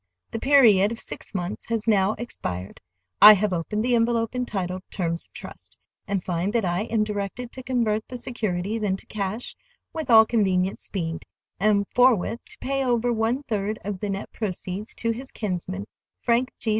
The period of six months has now expired. I have opened the envelope entitled "Terms of Trust," and find that I am directed to convert the securities into cash with all convenient speed, and forthwith to pay over one third of the net proceeds to his kinsman, Frank G.